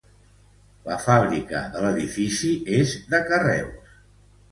La fàbrica de l'edifici és de carreus.